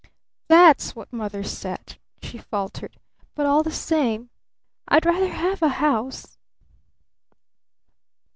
"That's what Mother said," she faltered. "But all the same I'd RATHER HAVE A HOUSE!"